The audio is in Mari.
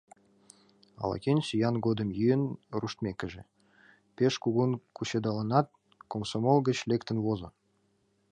Ала-кӧн сӱан годым йӱын руштмекыже, пеш кугун кучедалынат, комсомол гыч лектын возо.